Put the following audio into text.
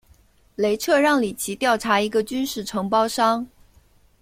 雷彻让里奇调查一个军事承包商。